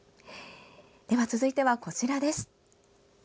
続いては、こちらです。